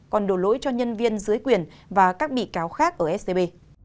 còn đổ lỗi cho nhân viên dưới quyền và các bị cáo khác ở scb